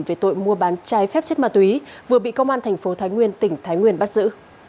về tội mua bán trái phép chất ma túy vừa bị công an thành phố thái nguyên tỉnh thái nguyên bắt giữ